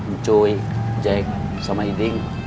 mcoi jack sama iding